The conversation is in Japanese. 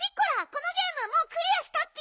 このゲームもうクリアしたッピ。